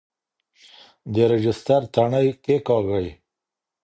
د رجسټر تڼۍ کیکاږئ.